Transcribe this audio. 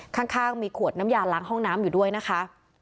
ข้างมีขวดน้ำยาล้างห้องน้ำอยู่ด้วยนะคะ